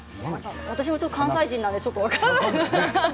私も関西人だからちょっと分からない。